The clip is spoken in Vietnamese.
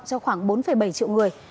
cho khoảng bốn bảy triệu người